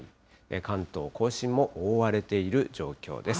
関東甲信も覆われている状況です。